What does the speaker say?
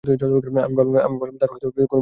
আমি ভাবলাম তার হয়ত কোন বিপদ হয়েছে।